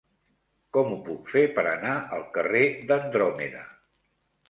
Com ho puc fer per anar al carrer d'Andròmeda?